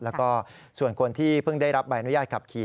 แล้วก็ส่วนคนที่เพิ่งได้รับใบอนุญาตขับขี่